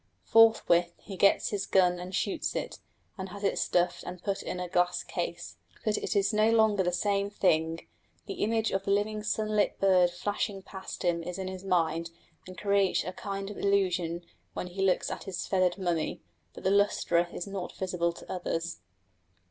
Forthwith he gets his gun and shoots it, and has it stuffed and put in a glass case. But it is no longer the same thing: the image of the living sunlit bird flashing past him is in his mind and creates a kind of illusion when he looks at his feathered mummy, but the lustre is not visible to others.